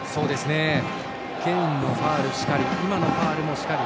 ケインのファウルしかり